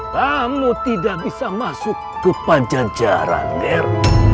kamu tidak bisa masuk ke pancajaran ner